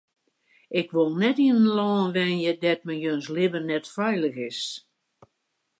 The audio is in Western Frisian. Ik wol net yn in lân wenje dêr't men jins libben net feilich is.